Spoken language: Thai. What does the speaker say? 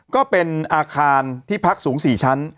ก็เป็นอาคารที่พักสูง๔ชั้น